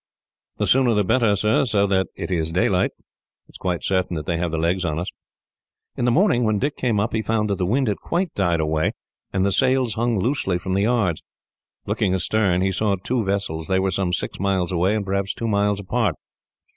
"The sooner the better sir, so that it is daylight. It is quite certain that they have the legs of us." In the morning, when Dick came up, he found that the wind had quite died away, and the sails hung loosely from the yards. Looking astern, he saw two vessels. They were some six miles away, and perhaps two miles apart.